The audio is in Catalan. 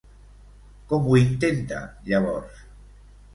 Com ho intenta llavors?